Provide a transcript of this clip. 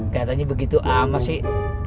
katanya begitu ama sih